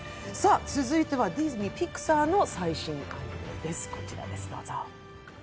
続いてはディズニー＆ピクサーの最新作です。